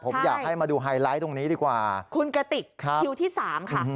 ผมอยากให้มาดูไฮไลท์ตรงนี้ดีกว่าคุณกระติกคิวที่สามค่ะ